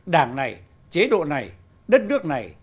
đảng này chế độ này đất nước này